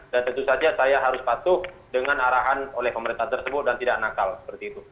dan tentu saja saya harus patuh dengan arahan oleh pemerintah tersebut dan tidak nakal seperti itu